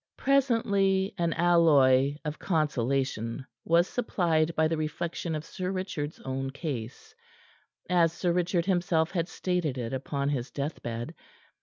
Presently an alloy of consolation was supplied by the reflection of Sir Richard's own case as Sir Richard himself had stated it upon his deathbed.